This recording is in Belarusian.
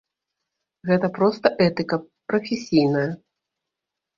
Гэта проста этыка прафесійная.